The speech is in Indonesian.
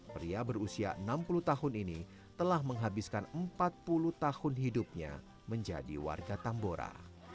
pria berusia enam puluh tahun ini telah menghabiskan empat puluh tahun hidupnya menjadi warga tambora